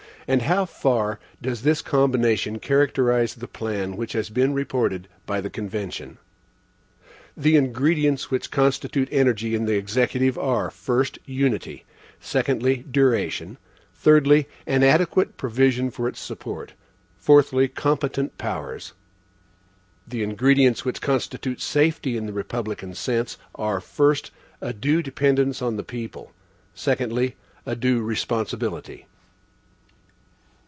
And how far does this combination characterize the plan which has been reported by the convention? The ingredients which constitute energy in the Executive are, first, unity; secondly, duration; thirdly, an adequate provision for its support; fourthly, competent powers. The ingredients which constitute safety in the republican sense are, first, a due dependence on the people, secondly, a due responsibility.